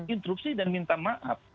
instruksi dan minta maaf